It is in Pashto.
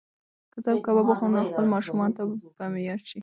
که زه کباب وخورم نو خپل ماشومتوب به مې په یاد شي.